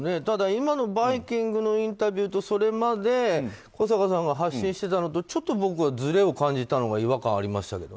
ただ、今の「バイキング」のインタビューとそれまで小坂さんが発信してたのとちょっと僕は、ずれを感じたのが違和感がありました。